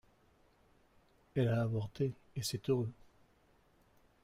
Elle a avorté et c’est heureux.